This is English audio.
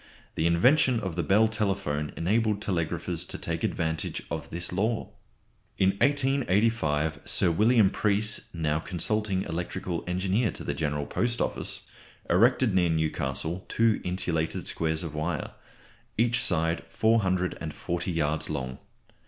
The invention of the Bell telephone enabled telegraphers to take advantage of this law. In 1885 Sir William Preece, now consulting electrical engineer to the General Post Office, erected near Newcastle two insulated squares of wire, each side 440 yards long.